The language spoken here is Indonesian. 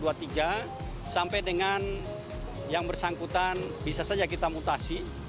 dengan peringatan satu dua tiga sampai dengan yang bersangkutan bisa saja kita mutasi